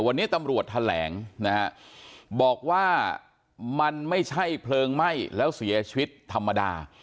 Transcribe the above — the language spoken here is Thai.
วันนี้ตำรวจแถลงนะฮะบอกว่ามันไม่ใช่เพลิงไหม้แล้วเสียชีวิตธรรมดา